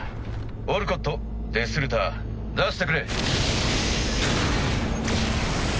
オルコットデスルター出してくれ。